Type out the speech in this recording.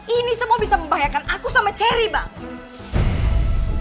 ini semua bisa membahayakan aku sama cherry bang